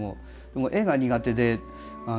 でも絵が苦手で。